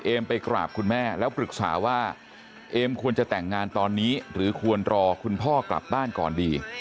ไปกราบคุณแม่แล้วปรึกษาว่าเอมควรจะแต่งงานตอนนี้หรือควรรอคุณพ่อกลับบ้านก่อนดี